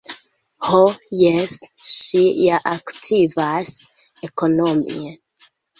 Ho jes, ŝi ja aktivas ekonomie!